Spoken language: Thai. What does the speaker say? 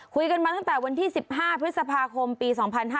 คุยกันมาตั้งแต่วันที่๑๕พฤษภาคมปี๒๕๕๙